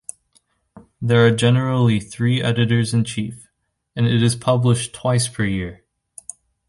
There are generally three editors-in-chief, and it is published twice per year.